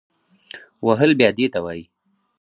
وهل بیا دې ته وایي